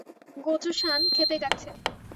Gojo-san ক্ষেপে গেছে!